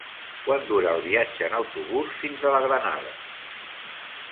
Quant dura el viatge en autobús fins a la Granada?